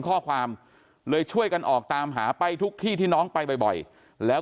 ข้อความเลยช่วยกันออกตามหาไปทุกที่ที่น้องไปบ่อยแล้ว